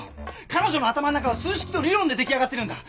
彼女の頭の中は数式と理論で出来上がってるんだ。